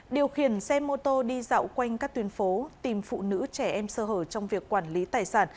điều khiển xe mô tô đi dạo quanh các tuyến phố tìm phụ nữ trẻ em sơ hở trong việc quản lý tài sản